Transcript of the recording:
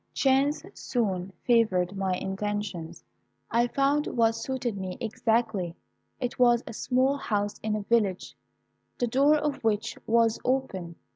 "Chance soon favoured my intentions. I found what suited me exactly. It was a small house in a village, the door of which was open.